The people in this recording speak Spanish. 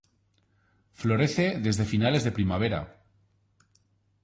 Florece desde finales de primavera.